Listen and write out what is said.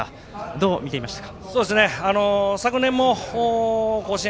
どう見ていましたか。